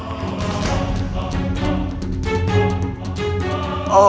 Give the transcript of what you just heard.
aku sama seperti kalian